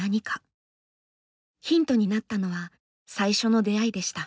ヒントになったのは最初の出会いでした。